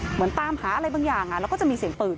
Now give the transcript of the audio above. เหมือนตามหาอะไรบางอย่างแล้วก็จะมีเสียงปืน